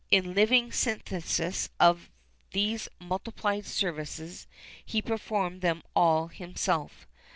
[XXXIII 28] A living synthesis of these multiplied services, he performed them all himself.